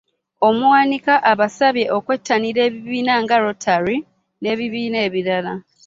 Omuwanika abasabye okwettanira ebibiina nga Rotary n'ebibiina ebirala